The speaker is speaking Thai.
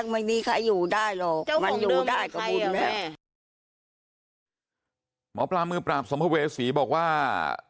ไม่ได้ปลูกตรงสารให้เขา